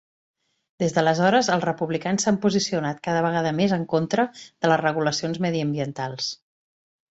Des d'aleshores els Republicans s'han posicionat cada vegada més en contra de les regulacions mediambientals.